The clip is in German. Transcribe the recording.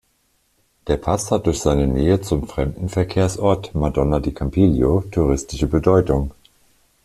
Der Pass hat durch seine Nähe zum Fremdenverkehrsort Madonna di Campiglio touristische Bedeutung.